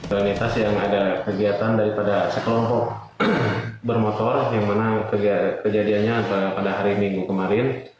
prioritas yang ada kegiatan daripada sekelompok bermotor yang mana kejadiannya pada hari minggu kemarin